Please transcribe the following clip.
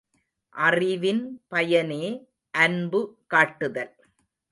அறிவின் பயனே அன்பு காட்டுதல்.